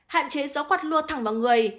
hạn chế gió quạt lua thẳng vào người